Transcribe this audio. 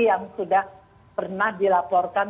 yang sudah pernah dilaporkan